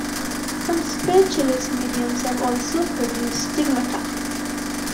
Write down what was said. Some spiritualist mediums have also produced stigmata.